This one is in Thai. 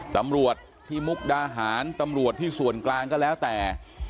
ตำรวจที่มุกดาหารตำรวจที่ส่วนกลางก็แล้วแต่